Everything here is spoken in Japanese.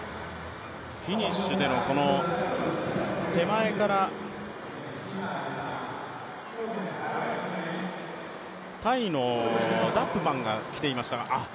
フィニッシュでの手前からタイのダップバンがきていましたが。